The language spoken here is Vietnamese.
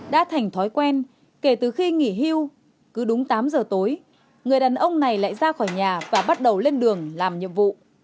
đã thành thói quen kể từ khi nghỉ hưu cứ đúng tám giờ tối người đàn ông này lại ra khỏi nhà và bắt đầu lên đường làm nhiệm vụ